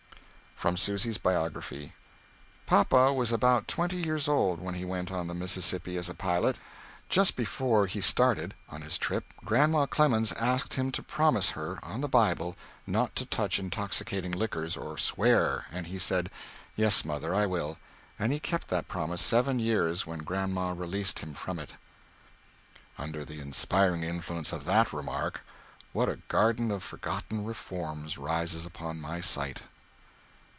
From Susy's Biography. Papa was about twenty years old when he went on the Mississippi as a pilot. Just before he started on his tripp Grandma Clemens asked him to promise her on the Bible not to touch intoxicating liquors or swear, and he said "Yes, mother, I will," and he kept that promise seven years when Grandma released him from it. Under the inspiring influence of that remark, what a garden of forgotten reforms rises upon my sight!